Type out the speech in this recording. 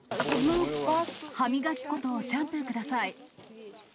歯磨き粉とシャンプーください。